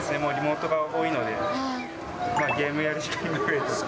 リモートが多いので、ゲームやるしかない。